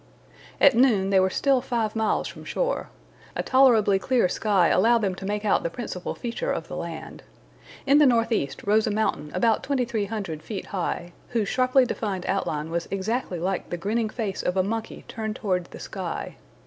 At noon they were still five miles from shore. A tolerably clear sky allowed them to make out the principal features of the land. In the northeast rose a mountain about 2,300 feet high, whose sharply defined outline was exactly like the grinning face of a monkey turned toward the sky.